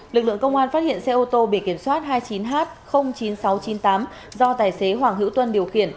lực lượng công an phát hiện xe ô tô bề kiểm soát hai mươi chín h chín nghìn sáu trăm chín mươi tám do tài xế hoàng hữu tuân điều khiển